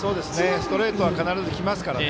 ストレートは必ずきますからね。